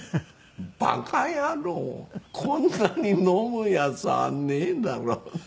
「馬鹿野郎こんなに飲むヤツはねえだろ」。